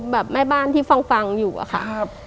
แบบแม่บ้านที่ฟังอยู่อะค่ะ